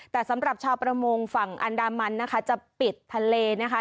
แต่สำหรับชาวประมงฝั่งอันดามันนะคะจะปิดทะเลนะคะ